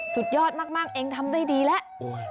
สุดยอดมากเองทำได้ดีแล้ว